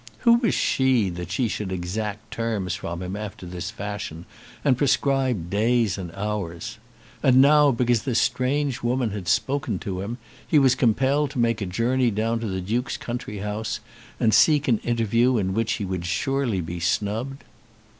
Who was she that she should exact terms from him after this fashion, and prescribe days and hours? And now, because this strange woman had spoken to him, he was compelled to make a journey down to the Duke's country house, and seek an interview in which he would surely be snubbed!